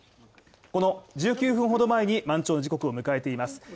この１９分ほど前に満潮時刻を迎えています。